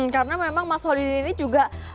karena memang mas holy dean ini juga